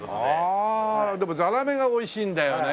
ああでもザラメがおいしいんだよね